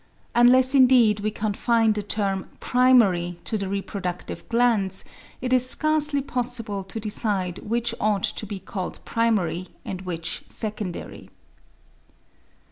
Unless indeed we confine the term "primary" to the reproductive glands, it is scarcely possible to decide which ought to be called primary and which secondary.